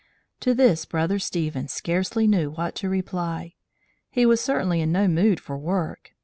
To this Brother Stephen scarcely knew what to reply. He was certainly in no mood for work.